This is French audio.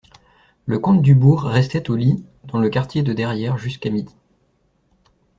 Le comte Dubourg restait au lit dans le quartier de derrière jusqu'à midi.